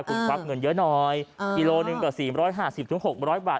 คุณควักเงินเยอะหน่อยกิโลหนึ่งกว่า๔๕๐๖๐๐บาท